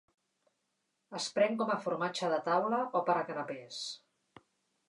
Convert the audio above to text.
Es pren com a formatge de taula o per a canapès.